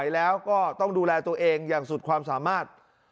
แล้วก็ต้องดูแลตัวเองอย่างสุดความสามารถ